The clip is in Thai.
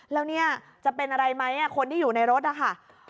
แล้วเนี่ยจะเป็นอะไรไหมคนที่อยู่ในรถนะคะ